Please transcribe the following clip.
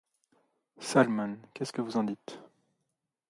Salmon, qu'est-ce que vous en dites?